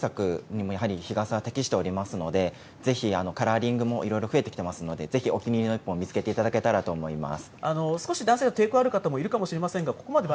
やはり熱中症対策にもやはり日傘は適しておりますので、ぜひ、カラーリングもいろいろ増えてきてますので、ぜひお気に入りの一本を見つけていただけたらと思います。